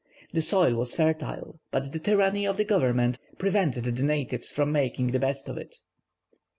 The soil was fertile, but the tyranny of the Government prevented the natives from making the best of it.